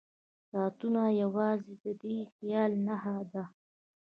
ساعتونه یوازې د دې خیال نښه ده.